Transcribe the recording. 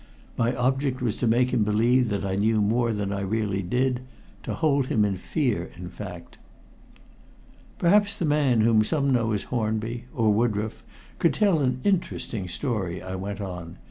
My object was to make him believe that I knew more than I really did to hold him in fear, in fact. "Perhaps the man whom some know as Hornby, or Woodroffe, could tell an interesting story," I went on.